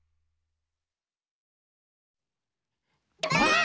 ばあっ！